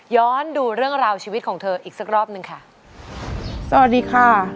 ดูเรื่องราวชีวิตของเธออีกสักรอบหนึ่งค่ะสวัสดีค่ะ